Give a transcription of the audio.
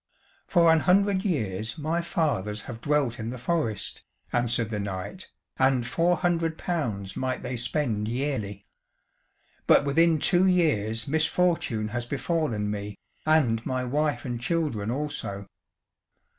"For an hundred years my fathers have dwelt in the forest," answered the knight, "and four hundred pounds might they spend yearly. But within two years misfortune has befallen me, and my wife and children also."